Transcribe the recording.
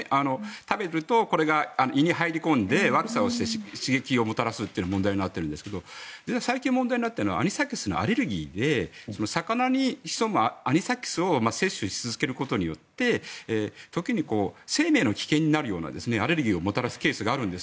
食べるとこれが胃に入り込んで悪さをして刺激をもたらすというのが問題になってるんですが最近問題になっているのはアニサキスのアレルギーで魚に潜むアニサキスを摂取し続けることによって時に生命の危険になるようなアレルギーをもたらすケースがあるんです。